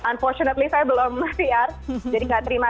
unfortunately saya belum pr jadi nggak terima